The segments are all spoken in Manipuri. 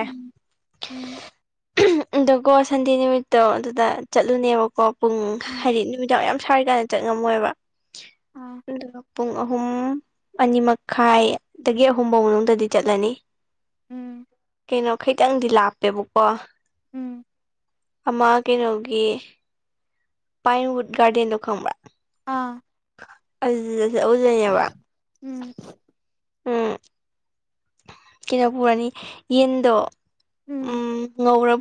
ꯑ ꯎꯝ ꯎꯝ ꯑꯀꯣ ꯁꯟꯗꯦ ꯅꯨꯃꯤꯠꯇꯣ ꯑꯗꯨꯗ ꯆꯠꯂꯨꯅꯦꯕꯀꯣ ꯄꯨꯡ ꯎꯝ ꯍꯥꯏꯔꯠ ꯅꯨꯃꯤꯗꯥꯡ ꯌꯥꯝ ꯁꯥꯔꯤꯀꯥꯟꯗ ꯆꯠꯉꯝꯃꯣꯏꯕ ꯑꯥ ꯑ ꯄꯨꯡ ꯑꯍꯨꯝ ꯑꯅꯤ ꯃꯈꯥꯏꯗꯒꯤ ꯑꯍꯨꯝꯐꯥꯎ ꯃꯅꯨꯡꯗꯗꯤ ꯆꯠꯂꯅꯤ ꯎꯝ ꯀꯩꯅꯣ ꯈꯈꯤꯇꯪꯗꯤ ꯂꯥꯞꯄꯦꯕꯀꯣ ꯎꯝ ꯑꯃꯥ ꯀꯩꯅꯣꯒꯤ ꯄꯥꯏꯟꯋꯠ ꯒꯥꯗꯦꯟꯗꯨ ꯈꯝꯥ ꯑꯥ ꯑꯗꯨ ꯑꯗꯨꯖꯕ ꯎꯝ ꯀꯩꯅꯄꯔꯅꯤ ꯌꯦꯟꯗꯣ ꯎꯝ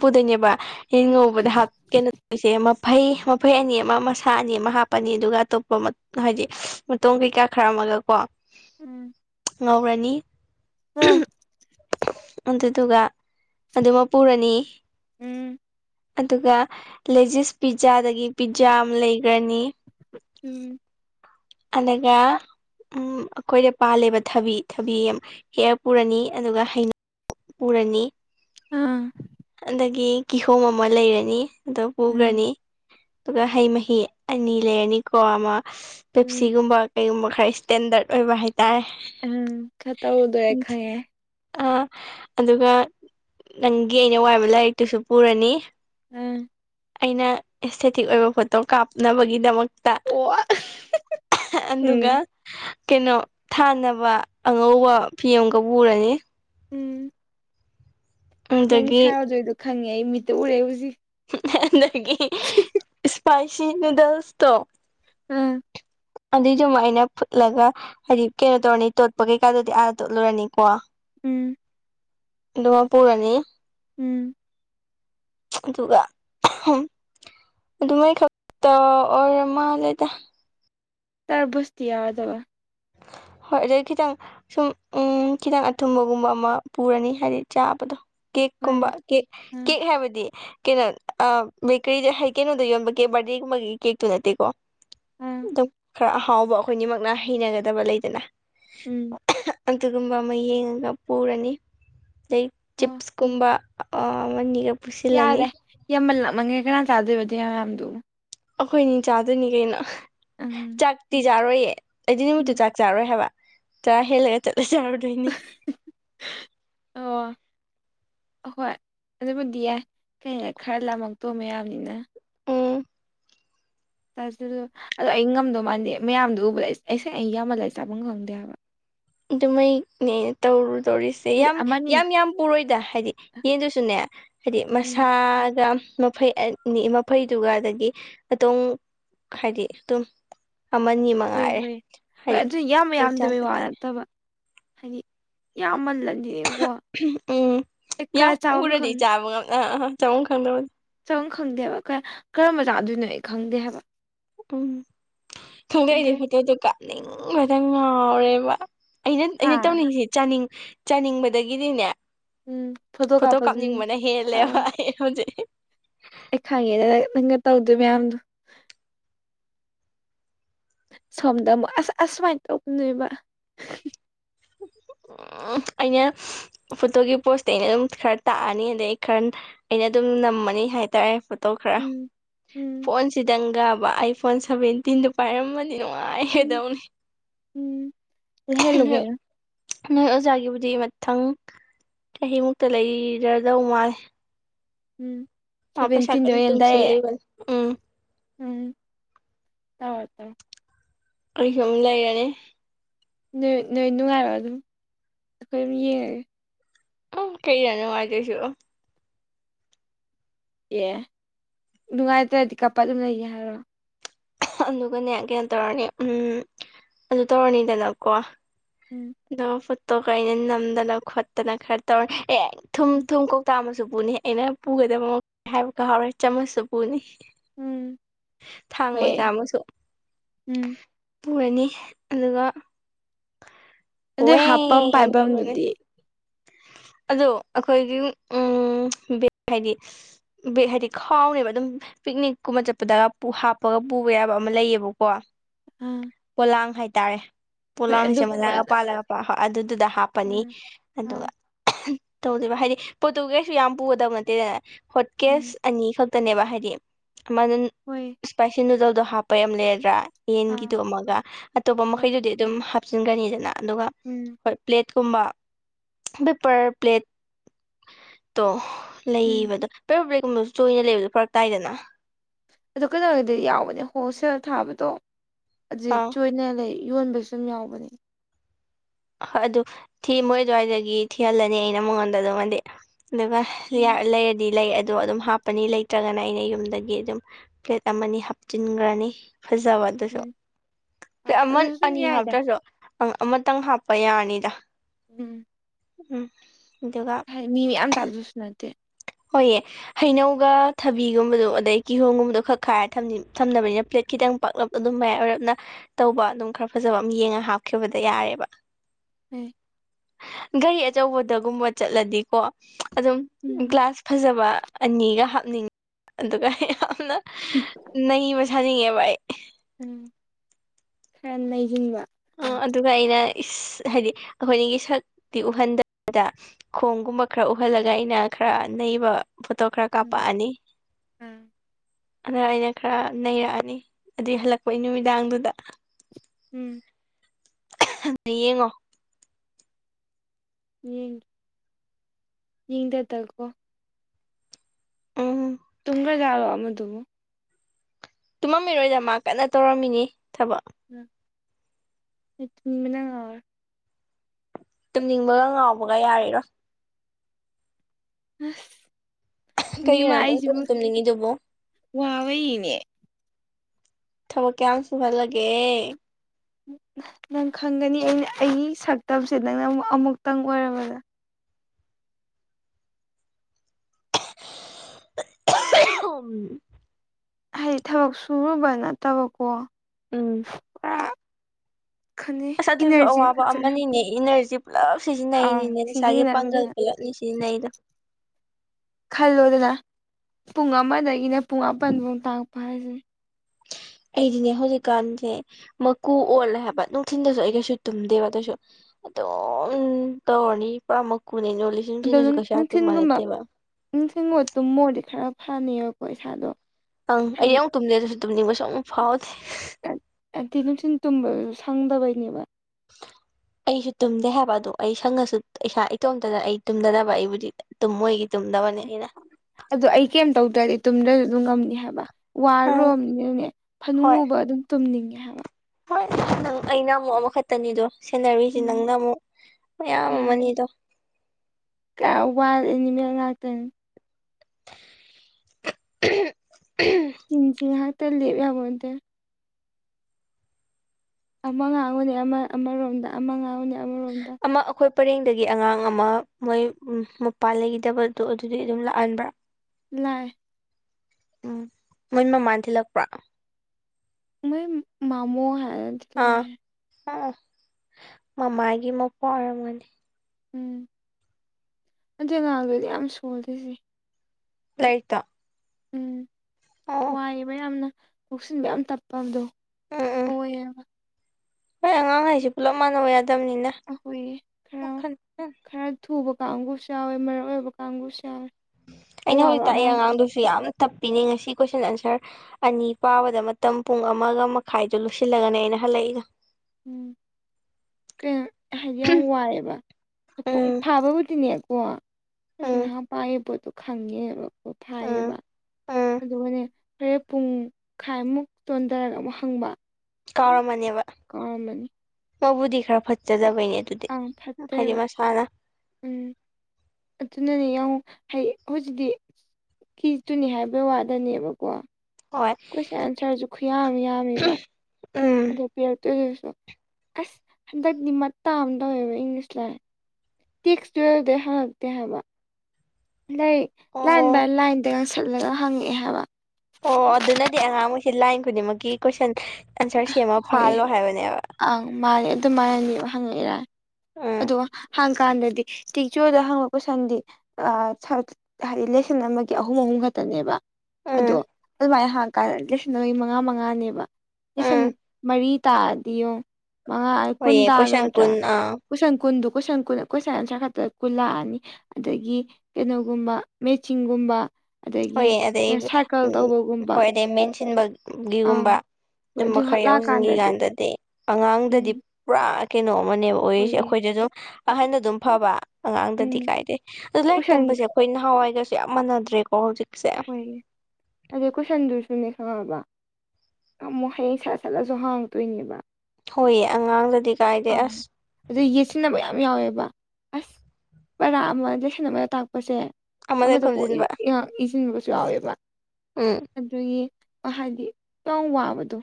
ꯄꯨꯗꯣꯏꯅꯦꯕ ꯌꯦꯟ ꯉꯧꯕꯗ ꯍꯥ ꯀꯩꯅꯣ ꯇꯧꯁꯦ ꯐꯩ ꯃꯈꯩ ꯑꯅꯤ ꯑꯃ ꯃꯁꯥ ꯑꯅꯤ ꯑꯃ ꯍꯥꯞꯄꯅꯤ ꯑꯗꯨꯒ ꯑꯇꯣꯞꯄ ꯍꯥꯏꯗꯤ ꯃꯇ ꯀꯩꯀꯥ ꯈꯔ ꯀꯣ ꯎꯝ ꯉꯧꯔꯅꯤ ꯑꯥ ꯑꯗꯨꯗꯨꯒ ꯑꯗꯨꯃ ꯄꯨꯔꯅꯤ ꯎꯝ ꯑꯗꯨꯒ ꯂꯦꯖꯤꯁ ꯄꯤꯖꯥꯗ ꯒꯤ ꯄꯤꯖꯥ ꯑꯃ ꯂꯩꯈ꯭ꯔꯅꯤ ꯎꯝ ꯑꯗꯨꯒ ꯎꯝ ꯑꯩꯈꯣꯏꯗ ꯄꯥꯂꯦꯕ ꯊꯕꯤ ꯊꯕꯤ ꯑꯃ ꯍꯦꯛ ꯄꯨꯔꯅꯤ ꯑꯗꯨꯒ ꯍꯩꯅ ꯄꯨꯔꯅꯤ ꯑꯥ ꯑꯗꯒꯤ ꯀꯤꯍꯣꯝ ꯑꯃ ꯂꯩꯔꯅꯤ ꯑꯗꯣ ꯎꯝ ꯄꯨꯈ꯭ꯔꯅꯤ ꯑꯗꯨꯒ ꯍꯩ ꯃꯍꯤ ꯑꯅꯤ ꯂꯩꯔꯅꯤꯀꯣ ꯑꯃ ꯎꯝ ꯄꯦꯞꯁꯤꯒꯨꯝꯕ ꯀꯩꯒꯨꯝꯕ ꯈꯔ ꯏꯁꯇꯦꯟꯗꯔꯠ ꯑꯣꯏꯕ ꯍꯥꯏꯇꯥꯔꯦ ꯎꯝ ꯈ ꯇꯎꯗꯣꯏꯔꯦ ꯈꯪꯉꯦ ꯑ ꯑꯗꯨꯒ ꯅꯪꯒꯤ ꯑꯩꯅ ꯋꯥꯏꯕ ꯂꯥꯏꯔꯤꯛꯇꯨꯁꯨ ꯄꯨꯔꯅꯤ ꯎꯝ ꯑꯩꯅ ꯑꯦꯁꯊꯦꯇꯤꯛ ꯑꯣꯏꯕ ꯐꯣꯇꯣ ꯀꯥꯞꯅꯕꯒꯤꯗꯃꯛ ꯑꯣ ꯑꯗꯨꯒ ꯎꯝ ꯀꯩꯅꯣ ꯊꯥꯅꯕ ꯑꯉꯧꯕ ꯐꯤ ꯑꯃꯒ ꯎꯔꯅꯤ ꯎꯝ ꯅꯪ ꯑꯗꯒꯤ ꯁꯥꯔꯗꯣꯏꯗꯣ ꯈꯪꯉꯦ ꯑꯩ ꯃꯤꯠꯇ ꯎꯔꯦ ꯍꯧꯖꯤꯛ ꯍꯗꯒꯤ ꯏꯁꯄꯥꯏꯁꯤ ꯅꯨꯗꯜꯁ ꯇꯣ ꯎꯝ ꯑꯗꯨꯏꯗꯨꯃ ꯑꯩꯅ ꯐꯨꯠꯂꯒ ꯍꯥꯏꯗꯤ ꯀꯩꯅꯣ ꯇꯧꯔꯅꯤ ꯇꯣꯠꯄ ꯀꯩꯀꯥꯗꯨꯗꯤ ꯑꯥꯗ ꯇꯣꯠꯂꯨꯔꯅꯤꯀꯣ ꯎꯝ ꯂꯃꯄꯔꯅꯤ ꯎꯝ ꯑꯗꯨꯒ ꯑꯗꯨꯃꯥꯏ ꯈ ꯑꯣꯔ ꯃꯥ ꯂꯩꯗ ꯇꯔ ꯁꯤ ꯌꯥꯋꯥꯗꯕ ꯍꯣꯏ ꯑꯗꯩ ꯈꯤꯇꯪ ꯁꯨꯝ ꯈꯤꯇꯪ ꯑꯊꯨꯝꯕꯒꯨꯝꯕ ꯑꯃ ꯄꯨꯔꯅꯤ ꯍꯥꯏꯗꯤ ꯆꯥꯕꯗꯣ ꯀꯦꯛ ꯀꯨꯝꯕ ꯍꯣꯏ ꯀꯦꯛ ꯑꯥ ꯀꯦꯛ ꯍꯥꯏꯕꯗꯤ ꯀꯩꯅꯣ ꯕꯦꯀꯔꯤꯗ ꯀꯩꯅꯣꯗ ꯌꯣꯟꯕꯒꯤꯦ ꯕꯥꯔꯊꯗꯦꯒꯨꯝꯕꯒꯤ ꯀꯦꯛꯇꯨ ꯅꯠꯇꯦꯀꯣ ꯑꯥ ꯑꯗꯨꯝ ꯈꯔ ꯑꯍꯥꯎꯕ ꯑꯩꯈꯣꯏꯅꯤꯃꯛꯅ ꯍꯩꯅꯒꯗꯕ ꯂꯩꯗꯅ ꯎꯝ ꯑꯗꯨꯒꯨꯝꯕ ꯑꯃ ꯌꯦꯡꯉꯒ ꯄꯨꯔꯅꯤ ꯑꯩ ꯑꯣ ꯆꯤꯞꯁꯀꯨꯝꯕ ꯑꯅꯤꯒ ꯌꯥꯔꯦ ꯌꯥꯝꯃꯜ ꯂꯥꯛꯃꯒꯦ ꯀꯅꯥ ꯆꯥꯗꯣꯏꯕꯗꯤ ꯃꯌꯥꯝꯗꯨ ꯑꯩꯈꯣꯏꯅꯤ ꯆꯥꯗꯣꯏꯅꯤ ꯀꯩꯅꯣ ꯎꯝ ꯆꯥꯛꯇꯤ ꯆꯥꯔꯣꯏꯌꯦ ꯑꯗꯨꯗꯤ ꯅꯨꯃꯨꯠꯇꯨ ꯎꯝ ꯆꯥꯛ ꯆꯥꯔꯣꯏ ꯍꯥꯏꯕ ꯇ ꯍꯦꯜꯂ ꯆꯂ ꯆꯥꯎꯔꯗꯣꯏꯅꯤ ꯑꯣ ꯑꯍꯣꯏ ꯑꯗꯨꯕꯨꯗꯤ ꯑꯦ ꯀ ꯈꯔ ꯂꯥꯝꯃꯛꯇꯣ ꯃꯌꯥꯝꯅꯤꯅ ꯎꯝ ꯆꯥ ꯑꯗꯣ ꯑꯩ ꯉꯝꯗꯧ ꯃꯥꯟꯗꯦ ꯃꯌꯥꯝꯗꯨ ꯎꯕ ꯑꯩꯁꯦ ꯑꯩ ꯌꯥꯝꯌꯥꯝꯕꯜ ꯂ ꯆꯥꯐꯝ ꯈꯪꯗꯦ ꯍꯥꯏꯕ ꯑꯗꯨꯃꯥꯏꯅꯦ ꯇꯧꯔꯨꯗꯧꯔꯤꯁꯦ ꯍꯥꯏꯗꯤ ꯌꯥꯝ ꯑꯃꯅꯤ ꯌꯥꯝ ꯌꯥꯝ ꯄꯨꯔꯣꯏꯗ ꯍꯥꯏꯗꯤ ꯌꯦꯡꯗꯨꯁꯨꯅꯦ ꯍꯥꯏꯗꯤ ꯎꯝ ꯃꯁꯥꯒ ꯃꯐꯩ ꯑꯅꯤ ꯃꯐꯩꯗꯨꯒ ꯑꯗꯒꯤ ꯑꯇꯣꯝ ꯍꯥꯏꯗꯤ ꯑꯗꯨꯝ ꯑꯃꯅꯤ ꯍꯣꯏ ꯃꯉꯥꯏꯔꯦ ꯍꯣꯏ ꯍꯣꯏ ꯍꯥꯏꯗꯤ ꯑꯗꯨ ꯌꯥꯝ ꯆꯥꯡ ꯌꯥꯝꯗꯕꯩ ꯋꯥ ꯈꯛꯇꯅꯤ ꯅꯠꯇꯕ ꯍꯥꯏꯗꯤ ꯌꯥꯝꯃꯜꯂ ꯎꯝ ꯌꯥꯝ ꯀꯌꯥ ꯆꯥꯐꯝ ꯎꯔꯗꯤ ꯈꯪ ꯆꯥꯕ ꯉꯝ ꯑ ꯆꯃꯣꯝ ꯈꯪꯗꯕꯗꯤ ꯈꯪꯗꯦꯕ ꯀꯔꯝꯕ ꯆꯥꯗꯣꯏꯅꯣ ꯑꯩ ꯈꯪꯗꯦ ꯍꯥꯏꯕ ꯎꯝ ꯊꯣꯡꯗꯛꯏꯁꯦ ꯑꯗꯩ ꯐꯣꯇꯣꯗꯣ ꯀꯥꯅꯤꯡꯕꯇꯪ ꯉꯥꯎꯔꯦꯕ ꯑꯩꯅ ꯍꯥ ꯑꯩꯅ ꯇꯧꯅꯤꯡꯉꯁꯤ ꯆꯥꯅꯤꯡ ꯆꯥꯅꯤꯡꯕꯗꯒꯤꯗꯤꯅꯦ ꯎꯝ ꯐꯣꯇꯣ ꯀꯥꯞꯄꯗꯨꯅꯤ ꯀꯥꯞꯅꯤꯡꯕꯅ ꯍꯦꯜꯂꯦꯕ ꯑꯥ ꯑꯩ ꯍꯧꯖꯤꯛ ꯑꯩ ꯈꯪꯉꯦꯗ ꯅꯪꯒ ꯇꯧꯗꯣꯏ ꯃꯌꯥꯝꯗꯣ ꯁꯣꯝꯗ ꯑꯃꯨꯛ ꯑꯁ ꯑꯁ ꯁꯨꯃꯥꯏꯅ ꯇꯧ ꯅꯣꯏꯕ ꯎ ꯑꯩꯅ ꯐꯣꯇꯣꯒꯤ ꯄꯣꯁꯇꯤ ꯑꯩꯅ ꯑꯗꯨꯝ ꯈꯔ ꯇꯥꯛꯑꯅꯤ ꯑꯗꯩ ꯑꯩ ꯈꯔ ꯑꯩꯅ ꯑꯗꯨꯝ ꯅꯝꯃꯅꯤ ꯍꯥꯏꯇꯥꯔꯦ ꯇꯧꯈ꯭ꯔ ꯎꯝ ꯎꯝ ꯐꯣꯟꯁꯤꯗꯪꯒꯥꯕ ꯑꯩ ꯐꯣꯟ ꯁꯚꯦꯟꯇꯤꯟꯗꯣ ꯄꯥꯏꯔꯝꯃꯅꯤ ꯎꯝ ꯍꯗꯎꯅꯤ ꯎꯝ ꯂꯩꯍꯜꯂꯨꯒꯦꯔꯣ ꯅꯣꯏ ꯑꯣꯖꯥꯒꯤꯕꯨꯗꯤ ꯃꯊꯪ ꯆꯍꯤꯃꯨꯛꯇ ꯂꯩꯔꯗꯧ ꯃꯥꯜ ꯎꯝ ꯁꯕꯦꯟꯇꯤꯟꯖꯗꯑ ꯇꯨꯡꯁꯤꯜꯂꯤꯕꯅꯤ ꯎꯝ ꯎꯝ ꯇꯥꯎ ꯇꯥꯎ ꯑꯝ ꯂ ꯌꯥꯅꯦꯦ ꯅꯣꯏ ꯅꯣꯏ ꯅꯨꯡꯉꯥꯏꯔꯣ ꯑꯗꯨꯝ ꯑꯩꯈꯣꯏ ꯑꯗꯨꯝ ꯌꯦꯡꯉꯒꯦ ꯑ ꯀꯩ ꯌꯥꯅ ꯋꯥꯖꯦꯁꯨ ꯑꯦ ꯅꯨꯡꯉꯥꯏꯇ꯭ꯔꯗꯤ ꯀꯄ ꯑꯗꯨꯝ ꯂꯩꯒꯦ ꯍꯥꯏꯔꯣ ꯑꯗꯨꯒꯅꯦ ꯀꯩꯅꯣ ꯇꯧꯔꯅꯤ ꯎꯝ ꯑꯗꯨ ꯇꯧꯔꯅꯤꯗꯅꯀꯣ ꯎꯝ ꯅ ꯐꯠꯇꯣ ꯀꯩꯅ ꯅꯝꯗꯅ ꯈꯠꯇꯅ ꯈꯔ ꯇ ꯊꯨꯝ ꯎꯝ ꯊꯨꯝ ꯀꯧꯇꯥ ꯑꯃꯁꯨ ꯄꯨꯅꯤ ꯑꯩꯅ ꯄꯨꯒꯗꯕ ꯃ ꯍꯥꯏꯕꯒ ꯍꯧꯥꯎꯔꯦ ꯆꯥꯃꯁꯁꯨ ꯄꯨꯅꯤ ꯎꯝ ꯊꯥꯡ ꯃꯆꯥ ꯍꯣꯏꯑꯦ ꯑꯃꯁꯨ ꯎꯝ ꯄꯨꯔꯅꯤ ꯑꯗꯨꯒ ꯑꯗꯨꯏ ꯍꯥꯞꯐꯝ ꯍꯡ ꯇꯧꯒꯅꯤ ꯄꯥꯏꯐꯝꯗꯨꯗꯤ ꯑꯗꯣ ꯑꯩꯈꯣꯏꯒꯤ ꯎꯝ ꯕ ꯍꯥꯏꯗꯤ ꯕ ꯍꯥꯏꯗꯤ ꯈꯥꯎꯅꯦꯕ ꯑꯗꯨꯝ ꯄꯤꯛꯅꯤꯛꯀꯨꯝꯕ ꯆꯠꯄꯗ ꯍꯥꯞꯄꯒ ꯄꯨꯕ ꯌꯥꯕ ꯑꯃ ꯂꯩꯌꯦꯕꯀꯣ ꯎꯝ ꯄ ꯂꯥꯡ ꯍꯥꯏꯇꯥꯔꯦ ꯄꯣꯠꯂꯥꯡ ꯍꯥꯏꯁꯦ ꯃꯅꯥꯥꯡꯒ ꯄꯥꯜꯂꯒ ꯄ ꯑꯗꯨꯗꯨꯗ ꯍꯥꯞꯄꯅꯤ ꯎꯝ ꯑꯗꯨꯒ ꯑꯥ ꯇꯧꯗꯦꯕ ꯍꯥꯏꯗꯤ ꯄꯣꯇꯨꯒꯦꯁꯁꯨ ꯌꯥꯝ ꯄꯨꯒꯗꯕ ꯅꯠꯇꯦꯗꯅ ꯎꯝ ꯍꯣꯠꯀꯦꯁ ꯑꯅꯤ ꯈꯛꯇꯅꯦꯕ ꯍꯥꯏꯗꯤ ꯃꯥꯅ ꯍꯣꯏ ꯏꯁꯄꯥꯏꯁꯤ ꯅꯨꯗꯜꯗꯣ ꯍꯥꯞꯄ ꯌꯥꯝ ꯂꯩꯔꯗ꯭ꯔꯥ ꯌꯦꯟꯒꯤ ꯑꯥ ꯑꯗꯨꯝ ꯑꯃꯒ ꯑꯇꯣꯞꯄ ꯍꯣꯏ ꯃꯈꯩꯗꯨꯗꯤ ꯑꯗꯨꯝ ꯍꯥꯞꯆꯤꯟꯒꯅꯤꯗꯅ ꯑꯗꯨꯒ ꯎꯝ ꯍꯣꯏ ꯄ꯭ꯂꯦꯠ ꯀꯨꯝꯕ ꯄꯦꯄꯔ ꯄ꯭ꯂꯦꯠ ꯇꯣ ꯎꯝ ꯂꯩꯕꯗꯣ ꯄ ꯄꯣꯕꯒꯨꯝꯕꯁꯨ ꯆꯣꯏꯅ ꯂꯩꯕꯗ ꯐꯔꯛ ꯇꯥꯏꯗꯅ ꯑ ꯀꯩꯅꯣꯒꯤꯗꯤ ꯌꯥꯎꯕꯅꯦ ꯍꯣꯜꯁꯦꯜ ꯊꯥꯕꯗꯣ ꯑꯗꯨ ꯑꯥ ꯆꯣꯏꯅ ꯂꯩ ꯌꯣꯟꯕꯁꯨ ꯑꯗꯨꯨꯝ ꯌꯥꯎꯕꯅꯦ ꯍꯣꯏ ꯑꯗꯨ ꯊꯤ ꯃꯣꯏ ꯑꯗꯨꯋꯥꯏꯗꯒꯤ ꯊꯤꯍꯜꯂꯅꯤ ꯑꯩꯅ ꯃꯉꯣꯟꯗ ꯑꯗꯨꯝꯉꯥꯟꯗꯤ ꯑꯗꯨꯒ ꯎꯝ ꯂꯩꯔꯗꯤ ꯂꯩ ꯑꯗꯣ ꯑꯗꯨꯝ ꯍꯥꯞꯄꯅꯤ ꯂꯩꯇ꯭ꯔꯒꯅ ꯑꯩꯅ ꯌꯨꯝꯗꯒꯤ ꯑꯗꯨꯝ ꯄ꯭ꯂꯦꯠ ꯑꯃꯅꯤ ꯍꯥꯞꯆꯤꯟꯈ꯭ꯔꯅꯤ ꯐꯖꯕꯗꯨꯁꯨ ꯑ ꯑꯥ ꯑꯃ ꯑꯗꯨꯁꯨ ꯑꯗꯨꯝ ꯑꯅꯤ ꯌꯥꯏꯗ ꯍꯥꯞꯇ꯭ꯔꯁꯨ ꯑꯪ ꯑꯃꯇꯪ ꯍꯥꯞꯄ ꯌꯥꯅꯤꯗ ꯎꯝ ꯎꯝ ꯑꯗꯨꯒ ꯍꯥꯏ ꯃꯤ ꯃꯌꯥꯝ ꯇꯥꯗꯕꯁꯨ ꯅꯠꯇꯦ ꯍꯣꯏꯌꯦ ꯍꯩꯅꯧꯒ ꯊꯕꯤꯒꯨꯝꯕꯗꯣ ꯑꯗꯩ ꯀꯤꯍꯣꯝꯒꯨꯝꯕꯗꯣ ꯈꯔ ꯈꯥꯏꯔ ꯊꯝꯅꯕꯅꯤꯅ ꯄ꯭ꯂꯦꯠꯈꯤ ꯈꯤꯇꯪ ꯄꯥꯛꯂꯞ ꯑꯗꯨꯝ ꯃꯌꯥꯏ ꯑꯣꯏꯔꯞꯅ ꯇꯧꯕ ꯑꯗꯨꯝ ꯈꯔ ꯐꯖꯕ ꯑꯃ ꯌꯦꯡꯉ ꯍꯥꯞꯈꯤꯕꯗ ꯌꯥꯔꯦꯕ ꯎꯝ ꯒꯥꯔꯤ ꯑꯆꯧꯕꯗꯒꯨꯝꯕ ꯆꯠꯂꯗꯤꯀꯣ ꯑꯗꯨꯝ ꯎꯝ ꯒ꯭ꯂꯥꯁ ꯐꯖꯕ ꯑꯅꯤꯒ ꯍꯥꯞꯅꯤꯡꯉꯦ ꯑꯗꯨꯒ ꯌꯥꯝꯅ ꯅꯩꯕ ꯁꯥꯅꯤꯡꯉꯦꯕ ꯑꯩ ꯎꯝ ꯈꯔ ꯅꯩꯖꯤꯡꯕ ꯑꯗꯨꯒ ꯑꯩꯅ ꯍꯥꯏꯗꯤ ꯑꯩꯈꯣꯏꯒꯤ ꯁꯛꯇꯤ ꯎꯍꯟꯗꯕ ꯑꯗ ꯈꯣꯡꯒꯨꯝꯕ ꯈꯔ ꯎꯍꯜꯂꯒ ꯑꯩꯅ ꯈꯔ ꯅꯩꯕ ꯐꯇꯣ ꯈꯔ ꯀꯥꯄ ꯎꯝ ꯑꯅꯤ ꯑꯥ ꯑꯗ ꯑꯩꯅ ꯈꯔ ꯅꯩꯔꯛꯑꯅꯤ ꯑꯗꯨꯏ ꯍꯜꯂꯛꯄꯒꯤ ꯅꯨꯃꯤꯗꯥꯡꯗꯨꯗ ꯎꯝ ꯌꯦꯡꯉꯣ ꯌꯦꯠ ꯌꯦꯗꯦ ꯇꯀꯣ ꯎꯝ ꯇꯨꯡꯒ ꯔ ꯑꯃꯗꯨꯃꯣ ꯇꯨꯝꯃꯝꯃꯤꯔꯣꯏꯗ ꯃꯥ ꯀꯟꯅ ꯇꯧꯔꯝꯃꯤꯅꯤ ꯊꯕꯛ ꯎ ꯃ ꯇꯨꯝꯅꯤꯡꯕꯒ ꯉꯥꯎꯕꯒ ꯌꯥꯔꯤꯔꯣ ꯑꯁ ꯃꯤ ꯀꯩꯒꯤꯅꯣ ꯅꯪ ꯄꯪꯇꯨꯝ ꯃꯥꯥꯏꯁꯤꯕꯨ ꯇꯨꯝꯅꯤꯡꯉꯤꯗꯨꯕꯨ ꯋꯥꯕ ꯏꯅꯦ ꯊꯃꯣ ꯀꯌꯥꯁꯨꯣꯚꯜ ꯂꯒꯦ ꯎꯝ ꯅꯪ ꯈꯪꯒꯅꯤ ꯑꯩꯅ ꯑꯩꯒꯤ ꯁꯛꯇꯝꯁꯦ ꯅꯪꯅ ꯑꯃꯨꯛꯇꯪ ꯑꯣꯏꯔꯕꯅꯦ ꯎꯝ ꯍꯥꯏꯗꯤ ꯊꯕꯛ ꯁꯨꯔꯨꯕ ꯅꯠꯇꯕꯀꯣ ꯄꯨꯔꯥ ꯈꯅꯤ ꯑꯁ ꯑꯗꯨꯁꯨ ꯏꯅꯔꯖꯤ ꯑꯋꯥꯕ ꯈꯨꯠꯆꯠ ꯑꯃꯅꯤꯅꯦ ꯏꯅꯔꯁꯤ ꯄꯨꯜꯂꯞ ꯑꯥ ꯁꯤꯖꯤꯟꯅꯩꯅꯤꯅꯦ ꯉꯁꯥꯏꯒꯤ ꯄꯥꯡꯒꯜ ꯁꯤꯖꯤꯟꯅꯕꯅ ꯄꯨꯂꯞꯅꯤ ꯁꯤꯖꯤꯟꯅꯩꯗꯣ ꯈꯜꯂꯣꯗꯅ ꯄꯨꯡ ꯑꯃꯗꯒꯤꯅ ꯄꯨꯡ ꯃꯥꯄꯟ ꯐꯧ ꯇꯥꯛꯄ ꯍꯥꯏꯁꯦ ꯑꯩꯗꯤꯅꯦ ꯍꯧꯖꯤꯛꯀꯥꯟꯁꯦ ꯃꯀꯨ ꯑꯣꯜꯂꯦ ꯍꯥꯏꯕ ꯅꯨꯡꯊꯤꯟꯜꯗꯁꯨ ꯑꯩ ꯀꯩꯁꯨ ꯇꯨꯝꯗꯦꯕ ꯑꯗꯨꯁꯨ ꯑꯗꯨꯝ ꯇꯧꯅꯤ ꯄ꯭ꯔꯥꯃꯨ ꯑꯗꯣ ꯅꯨꯡꯊꯤꯜꯒꯨꯝꯕ ꯅꯨꯡꯊꯤꯜꯒꯣ ꯇꯨꯝꯃꯣꯔꯗꯤ ꯈꯔ ꯐꯅꯤꯑꯕꯀꯣ ꯏꯁꯥꯗꯣ ꯑꯪ ꯑꯩ ꯍꯥꯏꯗꯤ ꯑꯃꯨꯛ ꯇꯨꯝꯂꯗꯁꯨ ꯇꯨꯝꯅꯤꯡꯕꯁꯨ ꯑꯃꯨꯛ ꯐꯥꯎꯗꯦ ꯅꯝ ꯊꯟꯇꯨꯝꯕ ꯁꯪꯗꯥꯕꯏꯅꯦꯕ ꯑꯩꯁꯨ ꯇꯨꯝꯗꯦ ꯍꯥꯏꯕ ꯑꯗꯨꯗ ꯑꯩ ꯁꯪꯉꯁꯨ ꯏꯁꯥ ꯏꯇꯣꯝꯇꯅ ꯑꯩ ꯇꯨꯝꯗꯗꯅꯕ ꯑꯩꯕꯨꯗꯤ ꯇꯨꯝꯃꯣꯏꯒꯤ ꯕꯅꯦ ꯏꯅ ꯒꯥꯔꯤ ꯇꯨꯝꯗ꯭ꯔꯁꯨ ꯑꯗꯨꯝ ꯉꯝꯅꯤ ꯍꯥꯏꯕ ꯎꯝ ꯋꯥꯔꯨꯔꯔꯕꯅꯤꯅꯅꯦ ꯍꯣꯏ ꯐꯅꯉꯨꯕ ꯑꯗꯨꯝ ꯇꯨꯝꯅꯤꯡꯉꯦ ꯍꯥꯏꯕ ꯍꯣꯏ ꯅꯪ ꯑꯩꯅ ꯑꯃꯨꯛ ꯑꯃꯈꯛꯇꯅꯤꯗꯣ ꯁꯦꯟꯅꯔꯤꯁꯦ ꯎꯝ ꯅꯪꯅ ꯑꯃꯨꯛ ꯃꯌꯥꯝ ꯑꯃꯅꯤꯗꯣ ꯀ ꯋꯥꯏꯜ ꯑꯦꯅꯤꯃꯦꯜ ꯉꯥꯛꯇꯅꯤ [inaudible] ꯆꯤꯡ ꯆꯤꯡ ꯍꯥ ꯇ ꯂꯦ ꯍꯥꯏꯕꯣꯟꯗ ꯑꯃ ꯉꯥꯡꯕꯨꯅꯦ ꯑꯃ ꯑꯃꯔꯣꯝꯗ ꯑꯃ ꯉꯥꯡꯅꯦ ꯑꯃ ꯑꯩꯈꯣꯏ ꯄꯔꯦꯡꯗꯒꯤ ꯑꯉꯥꯡ ꯑꯃ ꯃꯣꯏ ꯃꯄꯥꯟ ꯂꯩꯈꯤꯗꯕꯗꯣ ꯑꯗꯨꯗꯤ ꯑꯗꯨꯝ ꯂꯥꯛꯑꯟꯕ꯭ꯔꯥ ꯂꯏ ꯎꯝ ꯃꯣꯏ ꯃꯃꯥꯟ ꯊꯤꯜꯂꯛꯄ꯭ꯔ ꯃꯣꯏ ꯃꯃꯨ ꯍꯥꯏ ꯃꯃꯥꯏꯒꯤ ꯃꯄ ꯑꯣꯏꯔꯝꯃꯅꯤ ꯎꯝ ꯑꯗꯨꯗ ꯉꯥꯡꯗꯗꯤ ꯌꯥꯝ ꯁꯣꯜꯜꯂꯤꯣꯏꯁꯦ ꯂꯩꯥꯏꯇꯥ ꯎꯝ ꯋꯥꯏꯑꯕ ꯌꯥꯝꯅ ꯀꯣꯛꯁꯤꯟꯕ ꯌꯥꯝ ꯇꯞꯄ ꯑꯗꯣ ꯍꯕ ꯍꯉꯥꯡ ꯍꯥꯏꯁꯤꯦ ꯄꯨꯂꯞ ꯃꯅ ꯌꯥꯦ ꯑꯩꯈꯣꯏ ꯈꯔ ꯎꯝ ꯈꯔ ꯊꯨꯕ ꯀꯥꯡꯕꯨꯁꯨ ꯌꯥꯎꯋꯦ ꯃꯔꯛ ꯑꯣꯏꯕ ꯀꯥꯡꯕꯨꯁꯨ ꯌꯥꯎꯋꯦ ꯑꯩꯅ ꯍꯧꯖꯤꯛ ꯑꯋꯥꯕ ꯇꯥꯛꯏ ꯑꯉꯥꯡꯁꯤꯅ ꯑꯉꯥꯡꯗꯨꯁꯨ ꯌꯥꯝ ꯇꯞꯄꯤꯅꯤ ꯉꯁꯤ ꯀꯣꯏꯁꯟ ꯑꯟꯁꯔ ꯑꯅꯤ ꯄꯥꯕꯗ ꯃꯇꯝ ꯄꯨꯡ ꯑꯃꯒ ꯃꯈꯥꯏꯗꯣ ꯂꯣꯏꯁꯤꯜꯂꯒꯅꯤ ꯑꯩꯅ ꯂꯩꯒ ꯎꯝ ꯀ ꯍꯥꯏꯗꯤ ꯌꯥꯝ ꯋꯥꯔꯦꯕ ꯄꯨꯡ ꯎꯝ ꯐꯥꯕꯕꯨꯗꯤꯅꯦ ꯀ ꯍꯧꯖꯤ ꯎꯝ ꯉꯥꯏꯍꯥꯛ ꯄꯥꯛꯕ ꯄꯣꯠꯇꯣ ꯈꯪꯉꯦꯕꯀꯣ ꯎꯝ ꯐꯥꯏꯌꯦꯕ ꯎꯝ ꯑꯗꯨꯒꯅꯦ ꯍꯣꯔꯦꯟ ꯄꯨꯡꯈꯥꯏꯃꯨꯛ ꯆꯣꯟꯊꯔꯒ ꯑꯃꯨꯛ ꯍꯪꯕ ꯀꯧꯔ ꯃꯅꯦꯕ ꯀꯃꯅꯤ ꯃꯕꯨꯗꯤ ꯈꯔ ꯐꯠꯖꯗꯕꯩꯅꯦ ꯑꯗꯨꯗꯤ ꯍꯥꯏꯗꯤ ꯐꯠꯇꯦꯕ ꯃꯁꯥꯅ ꯎꯝ ꯑꯗꯨꯅꯅꯦ ꯌꯦꯡꯉ ꯍ ꯍꯧꯖꯤꯛꯇꯤ ꯐꯤꯇꯨꯅꯤ ꯍꯥꯏꯕꯩ ꯋꯥꯗꯅꯦꯕꯀꯣ ꯍꯣꯏ ꯀꯣꯏꯁꯟ ꯑꯟꯁꯔꯁꯨ ꯈꯨꯌꯥꯝ ꯌꯥꯝꯃꯦꯕ ꯎꯝ ꯑꯗꯣ ꯄꯤꯔꯛꯇꯣꯏꯗꯨ ꯑꯁ ꯍꯟꯗꯛꯤ ꯃ ꯇꯥꯝ ꯇꯧꯋꯦꯕ ꯏꯪꯂꯤꯁ ꯂꯥꯛꯔꯦ ꯇꯦꯛꯁ ꯇ꯭ꯋꯦꯜꯗ ꯍꯪꯉꯇꯦ ꯍꯥꯏꯕ ꯗꯩ ꯂꯥꯏꯟ ꯑꯣ ꯕꯥꯏ ꯂꯥꯏꯟꯗꯒꯁꯠꯂꯒ ꯍꯪꯉꯛꯑꯦ ꯍꯥꯏꯕ ꯑꯣ ꯑꯗꯨꯅꯗꯤ ꯑꯉꯥꯡꯈꯣꯏꯩꯁꯤ ꯂꯥꯏꯟ ꯈꯨꯗꯤꯡꯃꯛꯀꯤ ꯀꯣꯏꯁꯟ ꯑꯟꯆꯥ ꯁꯃ ꯐꯜꯣ ꯍꯥꯏꯕꯅꯦ ꯃꯥꯅꯤ ꯑꯗꯨꯃꯅꯅꯤ ꯍꯪꯉꯛꯏꯔꯥ ꯎꯝ ꯑꯗꯣ ꯍ ꯀꯥꯟꯗꯗꯤ ꯇꯤꯛꯆꯣꯗ ꯍꯪꯕ ꯀꯣꯏꯁꯟꯗꯤ ꯍꯥꯏꯗꯤ ꯂꯦꯁꯟ ꯑꯃꯒꯤ ꯑꯍꯨꯝ ꯑꯍꯨꯝ ꯈꯛꯇꯪ ꯅꯦꯕ ꯑꯗꯣ ꯎꯝ ꯑꯗꯨꯃꯥꯏꯅ ꯍꯥꯛꯀ ꯂꯤꯁꯤꯡ ꯑꯔꯤ ꯃꯉꯥ ꯃꯉꯥꯅꯦꯕ ꯂꯤꯁꯟ ꯎꯝ ꯃꯔꯤ ꯇꯥꯑꯗꯤꯌꯣ ꯃꯉꯥ ꯀꯨꯟ ꯍꯣꯏꯌꯦ ꯀꯣꯏꯁꯟ ꯇꯥꯒ꯭ꯔꯗ꯭ꯔꯥ ꯀꯨꯟ ꯑꯥ ꯎ ꯁꯪꯀꯨꯟꯗꯨ ꯀꯣꯏꯁꯟꯨ ꯀꯣꯏꯁꯟ ꯑꯟꯁꯥꯔ ꯈꯛꯇ ꯀꯨꯟ ꯂꯥꯛꯑꯅꯤ ꯑꯗꯒꯤ ꯀꯩꯅꯣꯒꯨꯝꯕ ꯃꯦꯆꯤꯡꯒꯨꯝꯕ ꯑꯗꯒꯤ ꯍꯣꯏꯌꯦ ꯑꯗꯩ ꯁꯔꯀꯜ ꯇꯧꯕꯒꯨꯝꯕ ꯍꯣꯏ ꯑꯗꯩ ꯑꯪ ꯃꯦꯟꯁꯤꯟꯕꯒꯤꯒꯨꯝꯕ ꯍꯣꯏ ꯑꯗꯨꯝꯕ ꯑꯗꯨ ꯈꯔ ꯍꯠꯂꯛꯑꯀꯥꯟꯗꯗꯤ ꯌꯥꯎꯁꯤꯟꯈꯤꯀꯥꯟꯗꯗꯤ ꯑꯉꯥꯡꯗꯗꯤ ꯄꯨꯔꯥ ꯀꯩꯅꯣ ꯑꯃꯅꯦꯕ ꯑꯣꯏꯔꯤꯁꯦ ꯍꯣꯏꯌꯦ ꯑꯩꯈꯣꯏꯗ ꯑꯗꯨꯝ ꯑꯍꯟꯗ ꯑꯗꯨꯝ ꯐꯕ ꯑꯉꯥꯡꯗꯗꯤ ꯎꯝ ꯀꯥꯏꯗꯦ ꯑꯗꯨ ꯂꯥꯏꯔꯤꯛ ꯀꯣꯏꯁꯟ ꯇꯝꯕꯁꯦ ꯑꯩꯈꯣꯏ ꯅꯍꯥꯟꯋꯥꯏꯒꯁꯨ ꯌꯥꯝ ꯃꯥꯟꯅꯗ꯭ꯔꯦꯀꯣ ꯍꯧꯖꯤꯛ ꯍꯣꯏ ꯑꯗꯨꯗ ꯈꯨꯣ ꯁꯟꯗꯨꯁ ꯑꯗꯨꯨꯝꯅꯦ ꯈꯪꯉꯕ ꯑꯃꯨꯛ ꯍꯌꯦꯡ ꯁꯠ ꯁꯠꯂꯁꯨ ꯍꯥꯡꯛꯇꯣꯏꯅꯦꯕ ꯍꯌꯦ ꯑꯉꯥꯡꯗꯗꯤ ꯀꯥꯏꯗꯩ ꯑꯥ ꯑꯁ ꯑꯗꯨ ꯌꯦꯠꯁꯤꯟꯅꯕ ꯌꯥꯝ ꯌꯥꯎꯋꯦꯕ ꯑꯁ ꯄꯔꯥ ꯑꯃ ꯂꯩꯁꯟ ꯑꯃꯗ ꯇꯥꯛꯄꯁꯦ ꯑꯃꯗ ꯀꯣ ꯏꯁꯤꯟꯕꯁꯨ ꯌꯥꯎꯋꯦꯕ ꯎꯝ ꯑꯗꯨꯒꯤ ꯍꯥꯏꯗꯤ ꯌꯥꯝ ꯋꯥꯕꯗꯣ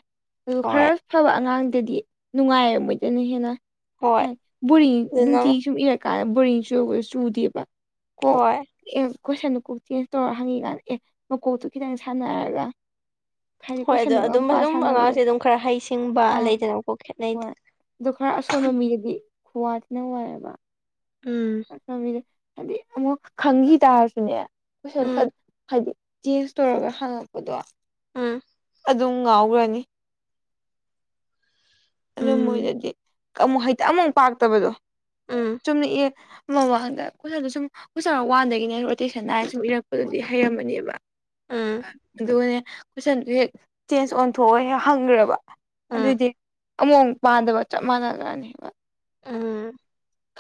ꯑꯗꯨ ꯈꯔ ꯍꯣꯏ ꯐꯕ ꯑꯉꯥꯡꯗꯗꯤ ꯅꯨꯡꯉꯥꯏꯔꯝꯃ ꯅ ꯍꯦꯟꯅ ꯍꯣꯏ ꯍꯥꯏ ꯕꯣꯔꯤꯡ ꯑꯗꯨꯅ ꯅꯨꯡꯇꯤ ꯁꯨꯝ ꯏꯔꯀꯥꯟꯗ ꯕꯣꯔꯤꯡꯁꯨ ꯆꯨꯗꯦꯕ ꯀ ꯍꯣꯏ ꯀꯣꯏꯁꯟꯗꯨ ꯀꯣꯛ ꯆꯦꯟꯖ ꯇꯧꯔ ꯍꯪꯉꯤꯀꯥꯟꯗ ꯑꯦ ꯃꯀꯣꯛꯇꯨ ꯈꯤꯇꯪ ꯁꯥꯟꯅꯔꯒ ꯍꯥꯏꯗꯤ ꯍꯣꯏ ꯑꯗꯣ ꯀꯣꯏꯁꯟꯗ ꯑꯗꯨꯝ ꯉꯄꯥ ꯑꯗꯨꯝ ꯁꯥꯟꯅꯕꯗꯣ ꯑꯉꯥꯡꯁꯦ ꯑꯗꯨꯝ ꯈꯔ ꯍꯩꯁꯤꯡꯕ ꯑꯥ ꯂꯩꯗꯅꯀꯣ ꯈꯦꯠꯅꯩꯗ ꯍꯣꯏ ꯑꯗꯨ ꯈꯔ ꯑꯁꯣꯟꯕ ꯃꯤꯒꯤꯗꯤ ꯈꯨꯋꯥ ꯊꯅ ꯋꯥꯏꯑꯦꯕ ꯎꯝ ꯆꯠꯗ ꯍꯥꯏꯗꯤ ꯑꯃꯨꯛ ꯈꯪꯈꯤ ꯇꯥꯔꯁꯨꯅꯦ ꯎꯝ ꯍꯥꯏꯗꯤ ꯆꯁ ꯇꯧꯔꯒ ꯍꯪꯉꯛꯄꯗꯣ ꯑꯝ ꯑꯗꯨꯝ ꯉꯥꯎꯈ꯭ꯔꯅꯤ ꯑꯗꯨ ꯎꯝ ꯃꯣꯏꯗꯗꯤ ꯑꯃꯨꯛ ꯍꯩꯛꯇ ꯑꯃꯨꯛ ꯄꯥꯛꯇꯕꯗꯣ ꯎꯝ ꯆꯨꯝꯅꯑ ꯃꯃꯥꯡꯗ ꯀꯗ ꯁꯨꯝ ꯀꯔ ꯋꯥꯟꯗꯒꯤꯅꯦ ꯔꯣꯇꯦ ꯁꯟ ꯍꯥꯏꯔ ꯁꯨꯝ ꯏꯔꯛꯄꯗꯨꯗꯤ ꯍꯩꯔꯝꯃꯅꯦꯕ ꯎꯝ ꯑꯗꯨꯅꯦ ꯀꯣꯏꯁꯟꯗꯨ ꯍꯦꯛ ꯆꯦꯟꯖ ꯑꯣꯟꯊꯑꯣ ꯍꯦꯛ ꯍꯪꯈ꯭ꯔꯦꯕ ꯎꯝ ꯑꯗꯨꯏꯗꯤ ꯑꯃꯨꯛꯛ ꯄꯥꯟꯗꯕ ꯆꯞ ꯃꯥꯟꯅꯈ꯭ꯔꯅꯦꯕ ꯑꯥ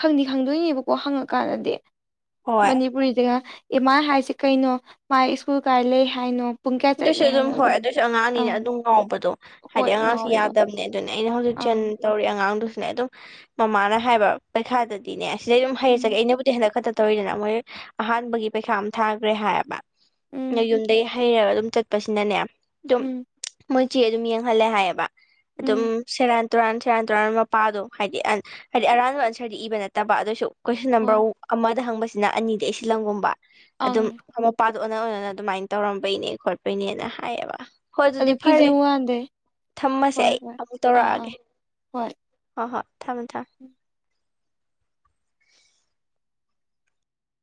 ꯈꯪꯗꯤ ꯈꯪꯗꯣꯏꯅꯦꯕꯀꯣ ꯍꯪꯉꯀꯥꯟꯗꯗꯤ ꯍꯣꯏ ꯃꯅꯤꯄꯨꯔꯤꯗꯒ ꯏꯃꯥ ꯍꯥꯏꯁꯤ ꯀꯩꯅꯣ ꯃꯥꯥꯏ ꯁ꯭ꯀꯨꯜ ꯀꯥꯏ ꯂꯩ ꯍꯥꯏꯅꯣ ꯄꯨꯡ ꯀꯌꯥ ꯑꯗꯨꯁꯨ ꯆꯠꯂꯦ ꯑꯗꯨꯝ ꯍꯥꯏꯅꯣ ꯍꯣꯏ ꯑꯗꯨ ꯑꯗꯨꯏꯁꯨ ꯑꯉꯥꯡꯅꯤꯅ ꯑꯪ ꯑꯗꯨꯝ ꯉꯥꯎꯕꯗꯣ ꯍꯥꯏꯗꯤ ꯍꯣꯏ ꯑꯉꯥꯡꯁꯨ ꯉꯥꯎꯋꯦꯕ ꯌꯥꯗꯕꯅꯦ ꯑꯗꯨꯅ ꯑꯩꯅ ꯍꯧꯖꯤꯛ ꯑꯪ ꯇꯧꯔꯤ ꯑꯉꯥꯡꯗꯨꯁꯨ ꯑꯗꯨꯝ ꯃꯃꯥꯅ ꯍꯥꯏꯕ ꯄꯩꯈꯥꯗꯗꯤꯅꯦ ꯁꯤꯗꯩ ꯑꯗꯨꯝ ꯎꯝ ꯍꯩꯔꯆꯒꯦ ꯑꯩꯅꯕꯨꯗꯤ ꯍꯟꯗꯛ ꯈ ꯇꯧꯔꯤꯗꯅ ꯃꯣꯏ ꯑꯍꯥꯟꯕꯒꯤ ꯄꯩꯈꯥ ꯑꯃ ꯊꯥꯈ꯭ꯔꯦ ꯍꯥꯏꯌꯦꯕ ꯎꯝ ꯅ ꯌꯨꯝꯗꯒꯤ ꯍꯩꯔꯒ ꯑꯗꯨ ꯆꯠꯄꯁꯤꯅꯅꯦ ꯎꯝ ꯃꯣꯏꯁꯤꯦ ꯑꯗꯨꯝ ꯌꯦꯡꯍꯜꯂꯦ ꯍꯥꯏꯌꯦꯕ ꯎꯝ ꯑꯗꯨꯝ ꯁꯦꯔꯥꯟ ꯇꯨꯔꯥꯟ ꯁꯤꯨꯔꯥꯟ ꯇꯨꯔꯥꯟ ꯃꯄꯥꯗꯣ ꯍꯥꯏꯗꯤ ꯍꯥꯏꯗꯤ ꯑꯔꯥꯟꯕ ꯑꯟꯁꯔꯗꯤ ꯏꯕ ꯅꯠꯇꯕ ꯑꯗꯨꯁꯨ ꯀꯣꯏꯁꯟ ꯅꯝꯕꯔ ꯍꯣꯏ ꯑꯃꯗ ꯍꯪꯕꯁꯤꯅ ꯑꯅꯤꯗꯤ ꯑꯩ ꯁꯤꯜꯂꯝꯪꯒꯨꯝꯕ ꯑꯗꯨꯝ ꯑꯪ ꯃ ꯃꯄꯥ ꯑꯗꯨ ꯑꯣ ꯑꯣꯅ ꯑꯗꯨꯃꯥꯏꯅ ꯇꯧꯔꯝꯕꯩꯅꯦ ꯈꯣꯠꯄꯩꯅꯦꯅ ꯍꯥꯏꯌꯦꯕ ꯍꯣꯏ ꯑꯗꯨꯗꯤ ꯑꯗꯨ ꯐꯔꯦ ꯀꯦꯖꯤ ꯋꯥꯟꯗꯩ ꯊꯝꯃꯁꯦ ꯍꯣꯏ ꯑꯩ ꯍꯣꯏ ꯑꯃꯨꯛ ꯑꯥ ꯑꯥ ꯇꯧꯔꯛꯑꯒꯦ ꯍꯣꯏ ꯍꯣꯏ ꯍꯣꯏ ꯊꯝꯃꯦ ꯊꯝꯃꯦ ꯎꯝ